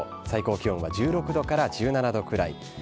最高気温は１６度から１７度くらい。